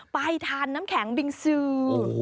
ไปทานน้ำแข็งบิงซือ